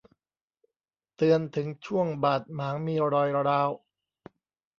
เตือนถึงช่วงบาดหมางมีรอยร้าว